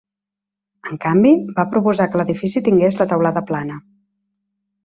En canvi, va proposar que l'edifici tingués la teulada plana.